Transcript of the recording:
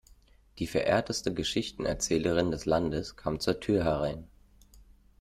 Die verehrteste Geschichtenerzählerin des Landes kam zur Tür herein.